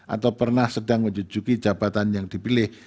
atau pernah sedang menjujuki jabatan yang dipilih